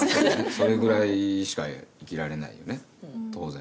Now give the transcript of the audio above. それぐらいしか生きられないよね当然。